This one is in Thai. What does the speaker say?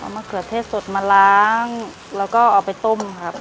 มะเขือเทศสดมาล้างแล้วก็เอาไปต้มครับ